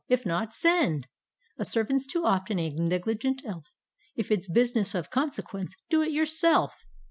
— if not, Send!" A servant's too often a negligent elf! — If it's business of consequence, do it yourself!